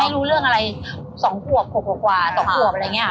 ไม่รู้เรื่องอะไรสองหัวหัวหัวกว่าสองหัวอะไรเงี้ย